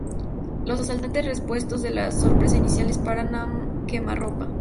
Los asaltantes, repuestos de la sorpresa inicial, disparan a quemarropa.